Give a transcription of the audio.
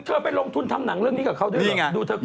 เธอเป็นลงทุนทำหนังเรื่องนี้กับเขาด้วยเหรอดูเถอะคุณค่ะนี่ไง